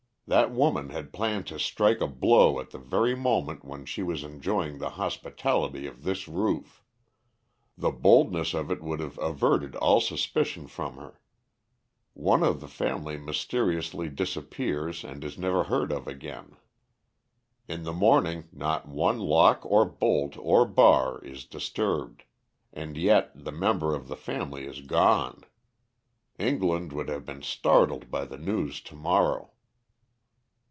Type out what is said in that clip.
That woman had planned to strike a blow at the very moment when she was enjoying the hospitality of this roof. The boldness of it would have averted all suspicion from her. One of the family mysteriously disappears and is never heard of again. In the morning not one lock or bolt or bar is disturbed. And yet the member of the family is gone. England would have been startled by the news to morrow."